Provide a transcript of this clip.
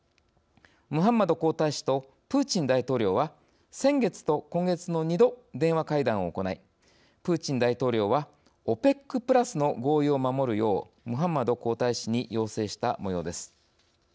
ムハンマド皇太子とプーチン大統領は先月と今月の２度電話会談を行いプーチン大統領は「ＯＰＥＣプラス」の合意を守るようムハンマド皇太子に要請したもようです。